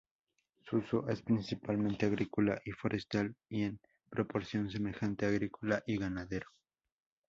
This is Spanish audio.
Su uso es principalmente agrícola y forestal, y en proporción semejante agrícola y ganadero.